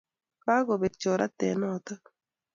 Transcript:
Kokobek choraret notok